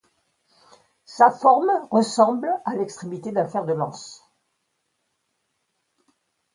Sa forme ressemble à l’extrémité d’un fer de lance.